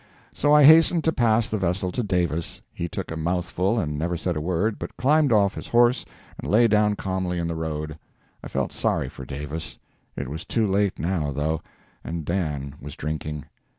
So I hastened to pass the vessel to Davis. He took a mouthful, and never said a word, but climbed off his horse and lay down calmly in the road. I felt sorry for Davis. It was too late now, though, and Dan was drinking.